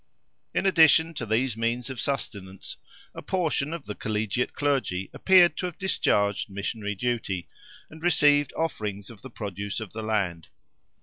In addition to these means of sustenance, a portion of the collegiate clergy appeared to have discharged missionary duty, and received offerings of the produce of the land.